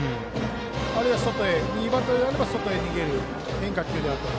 あるいは右バッターであれば外へ逃げる変化球であるか。